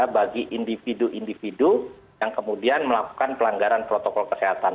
bagi individu individu yang kemudian melakukan pelanggaran protokol kesehatan